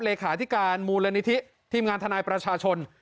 เลขาธิการทีมงานธนายประชาชน